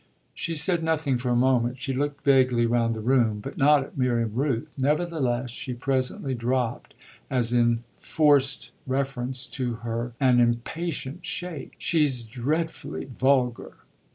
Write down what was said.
She said nothing for a moment; she looked vaguely round the room, but not at Miriam Rooth. Nevertheless she presently dropped as in forced reference to her an impatient shake. "She's dreadfully vulgar."